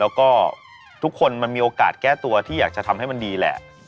แล้วก็ทุกคนมันมีโอกาสแก้ตัวที่อยากจะทำให้มันดีแหละ